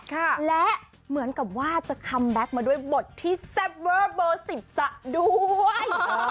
และเหมือนกับว่าจะคัมแบ็คมาด้วยบทที่แซ่บเวอร์เบอร์สิบสะด้วย